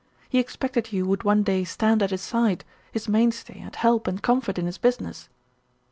He expected you would one day stand at his side, his mainstay and help and comfort in his business."